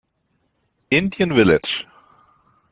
Indian Village